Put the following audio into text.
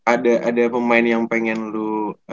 ada pemain yang pengen lu